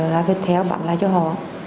là vật theo bắn lại cho họ